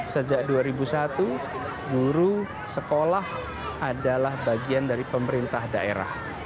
sejak dua ribu satu guru sekolah adalah bagian dari pemerintah daerah